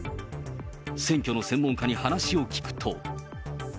選挙の専門家に話を聞くと。